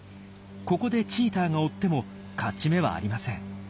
ここでチーターが追っても勝ち目はありません。